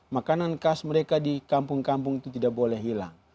makanan khas mereka di kampung kampung itu tidak boleh hilang